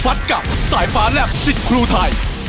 กับสายฟ้าแลบสิทธิ์ครูไทย